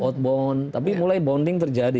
outbound tapi mulai bonding terjadi